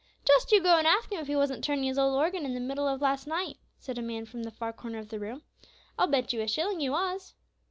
"Just you go and ask him if he wasn't turning his old organ in the middle of last night," said a man from the far corner of the room. "I'll bet you a shilling he was."